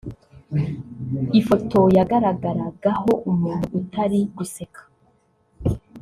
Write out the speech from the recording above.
Ifoto yagaragaragaho umuntu utari guseka